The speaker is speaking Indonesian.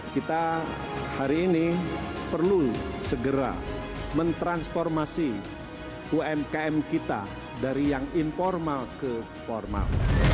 kita hari ini perlu segera mentransformasi umkm kita dari yang informal ke formal